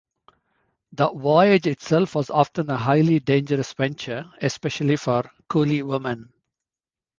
The voyage itself was often a highly dangerous venture, especially for Coolie women.